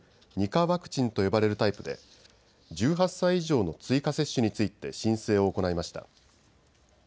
２価ワクチンと呼ばれるタイプで１８歳以上の追加接種について申請を行いました。